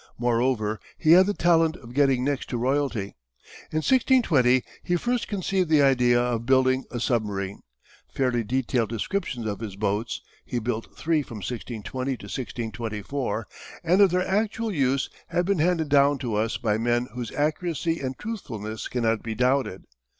Moreover, he had the talent of getting next to royalty. In 1620 he first conceived the idea of building a submarine. Fairly detailed descriptions of his boats he built three from 1620 1624 and of their actual use, have been handed down to us by men whose accuracy and truthfulness cannot be doubted.